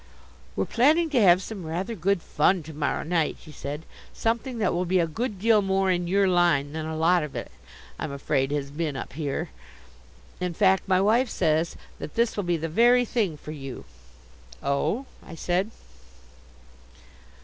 "We're planning to have some rather good fun to morrow night," he said, "something that will be a good deal more in your line than a lot of it, I'm afraid, has been up here. In fact, my wife says that this will be the very thing for you." "Oh," I said.